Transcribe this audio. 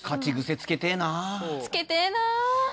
つけてえなぁ。